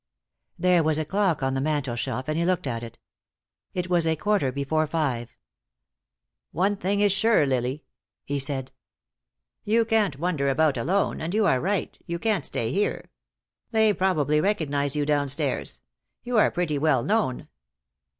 There was a clock on the mantel shelf, and he looked at it. It was a quarter before five. "One thing is sure, Lily," he said. "You can't wander about alone, and you are right you can't stay here. They probably recognized you downstairs. You are pretty well known."